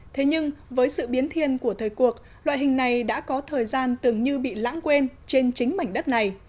thế nhưng với sự biến thiên của thời cuộc loại hình này đã có thời gian tưởng như bị lãng quên trên chính mảnh đất này